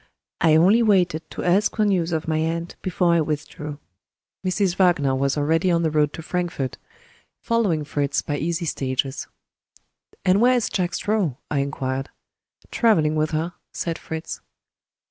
I only waited to ask for news of my aunt before I withdrew. Mrs. Wagner was already on the road to Frankfort, following Fritz by easy stages. "And where is Jack Straw?" I inquired. "Traveling with her," said Fritz.